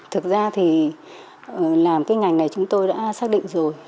thực ra thì làm cái ngành này chúng tôi đã xác định rồi